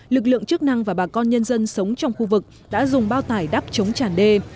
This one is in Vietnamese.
lực lượng chức năng và bà con nhân dân sống trong khu vực đã dùng bao tải đắp chống chản đê